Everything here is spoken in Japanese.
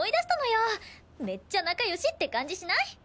めっちゃ仲良しって感じしない？